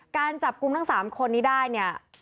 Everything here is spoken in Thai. การจับกลุ่มทั้ง๓คนนี้ได้เนี่ย